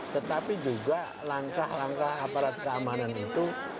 tetapi juga langkah langkah aparat keamanan itu